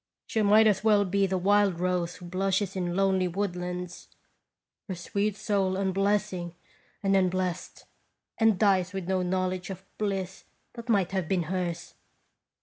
She might as well be the wild rose who blushes in lonely woodlands, her sweet soul unblessing and unblest, and dies with no knowledge of bliss that might have been hers.